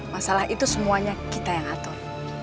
masalah itu semuanya kita yang atur